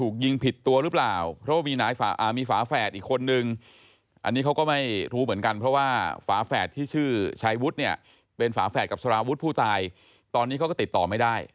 กับสารวุฒิผู้ตายตอนนี้เขาก็ติดต่อไม่ได้